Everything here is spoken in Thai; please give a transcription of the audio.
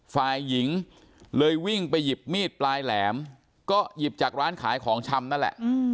ฝ่ายหญิงเลยวิ่งไปหยิบมีดปลายแหลมก็หยิบจากร้านขายของชำนั่นแหละ